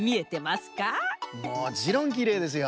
もちろんきれいですよ。